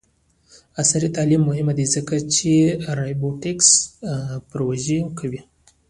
عصري تعلیم مهم دی ځکه چې د روبوټکس پروژې کوي.